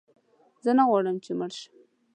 زه نه غواړم چې مړ شم.